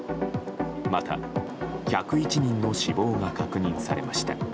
また、１０１人の死亡が確認されました。